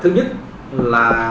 thứ nhất là